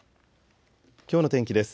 きょうの天気です。